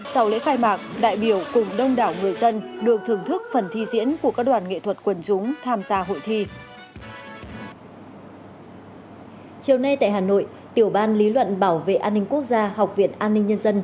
sau lễ khai mạc đại biểu cùng đông đảo người dân được thưởng thức phần thi diễn của các đoàn nghệ thuật quần chúng tham gia hội thi